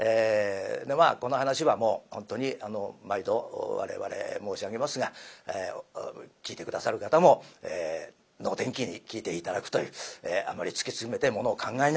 まあこの噺はもう本当に毎度我々申し上げますが聴いて下さる方も能天気に聴いて頂くというあまり突き詰めてものを考えないように。